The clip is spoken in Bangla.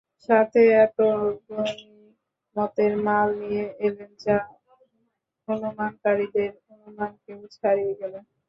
সাথে এতো গনীমতের মাল নিয়ে এলেন যা অনুমানকারীদের অনুমানকেও ছাড়িয়ে গেল।